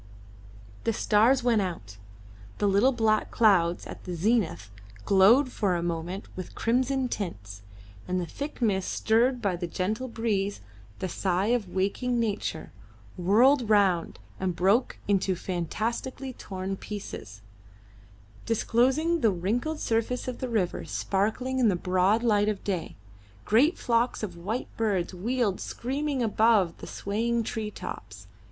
The stars went out; the little black clouds at the zenith glowed for a moment with crimson tints, and the thick mist, stirred by the gentle breeze, the sigh of waking nature, whirled round and broke into fantastically torn pieces, disclosing the wrinkled surface of the river sparkling in the broad light of day. Great flocks of white birds wheeled screaming above the swaying tree tops.